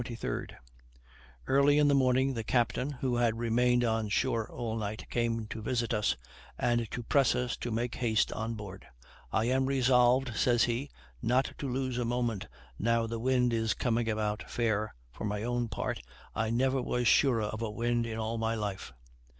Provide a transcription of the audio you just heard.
Early in the morning the captain, who had remained on shore all night, came to visit us, and to press us to make haste on board. "I am resolved," says he, "not to lose a moment now the wind is coming about fair: for my own part, I never was surer of a wind in all my life."